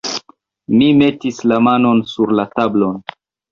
Mi metis la manon sur la tablon.